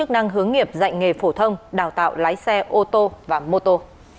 đang hướng nghiệp dạy nghề phổ thông đào tạo lái xe ô tô và mô tô